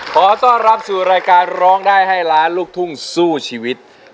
ขอต้อนรับสู่รายการร้องได้ให้ล้านลูกทุ่งสู้ชีวิต